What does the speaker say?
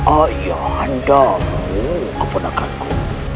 ayah anda mau kepenakan ku